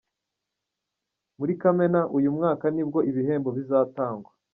Muri Kamena uyu mwaka nibwo ibihembo bizatangwa.